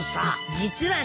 実はね。